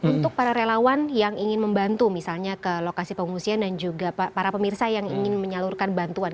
untuk para relawan yang ingin membantu misalnya ke lokasi pengungsian dan juga para pemirsa yang ingin menyalurkan bantuan